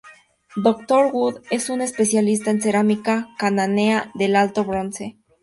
Doctor Wood es un especialista en cerámica cananea del Alto Bronce.